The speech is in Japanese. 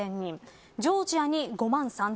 ジョージアに５万３０００人